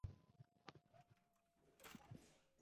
黑色素细胞中的黑色素易位是色彩改变的最主要原因。